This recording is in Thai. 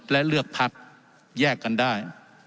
และเลือกพักแยกกันได้